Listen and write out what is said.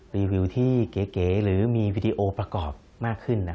รีวิวที่เก๋หรือมีวิดีโอประกอบมากขึ้น